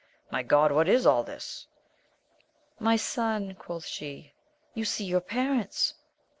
My God ! what is all this ? My son, quoth she, you see your parents